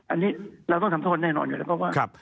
อันนี้เราต้องทำโทษแน่นอนอยู่แล้วครับว่า